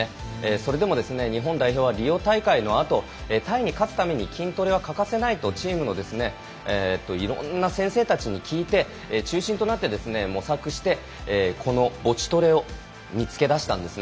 それでも日本代表はリオ大会のあとタイに勝つために筋トレは欠かせないと、チームのいろんな先生たちに聞いて中心となって模索してこのボチトレを見つけだしたんです。